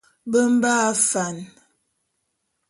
Be mbe afan.